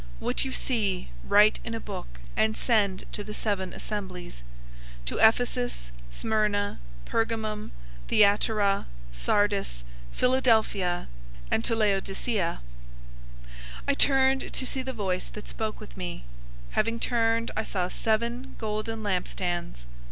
"}What you see, write in a book and send to the seven assemblies{TR adds "which are in Asia"}: to Ephesus, Smyrna, Pergamum, Thyatira, Sardis, Philadelphia, and to Laodicea." 001:012 I turned to see the voice that spoke with me. Having turned, I saw seven golden lampstands.